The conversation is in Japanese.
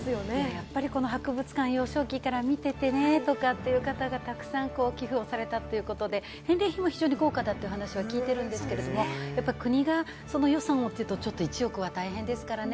やっぱりこの博物館、幼少期から見ててとかという方がたくさん寄付をされたということで、返礼品も非常に豪華だという話は聞いているんですけれども、国が予算をって言うと１億は大変ですからね。